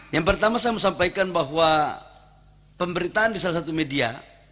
yang pertama saya mau sampaikan bahwa pemberitaan di salah satu media